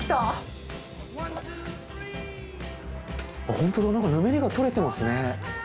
ホントだなんかぬめりが取れてますね。